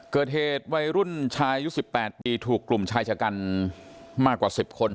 เกิดเหตุวัยรุ่นชายอายุ๑๘ปีถูกกลุ่มชายชะกันมากกว่า๑๐คน